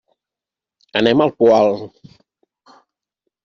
Anem al Poal.